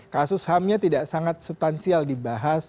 kasus ham nya tidak sangat subtansial dibahas